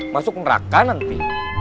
masuk neraka nanti